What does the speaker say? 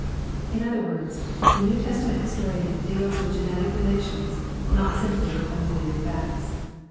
In other words, the New Testament historian deals with genetic relations, not smiply with unrelated facts.